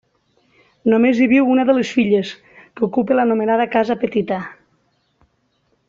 Només hi viu una de les filles, que ocupa l'anomenada casa petita.